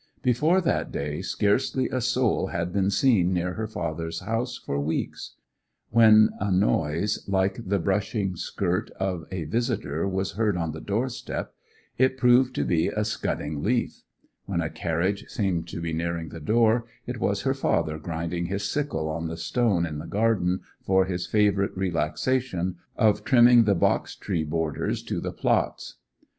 Before that day scarcely a soul had been seen near her father's house for weeks. When a noise like the brushing skirt of a visitor was heard on the doorstep, it proved to be a scudding leaf; when a carriage seemed to be nearing the door, it was her father grinding his sickle on the stone in the garden for his favourite relaxation of trimming the box tree borders to the plots.